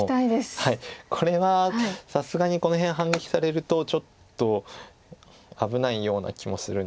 これはさすがにこの辺反撃されるとちょっと危ないような気もするんですが。